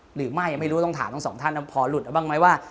หรือไม่ไม่รู้ต้องถามทั้งสองท่านพอหลุดบ้างไหมว่า